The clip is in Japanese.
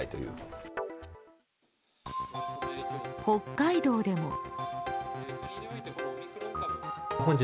北海道でも。